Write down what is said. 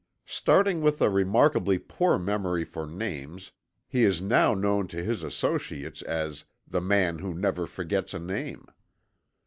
Starting with a remarkably poor memory for names, he is now known to his associates as "the man who never forgets a name."